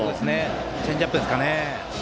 チェンジアップですかね。